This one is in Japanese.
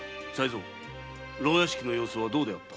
牢屋敷の様子はどうであった？